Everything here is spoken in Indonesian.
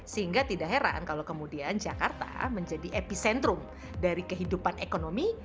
sehingga tidak heran kalau kemudian jakarta menjadi epicentrum dari kehidupan ekonomi